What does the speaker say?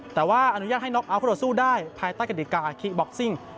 แต่ว่าอนุญาตให้น็อกเอาท์เราสู้ได้ภายใต้กฎิกาอาคิบ็อกซิ่ง